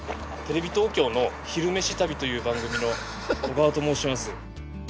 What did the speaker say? テレビ東京の「昼めし旅」という番組の小川と申します。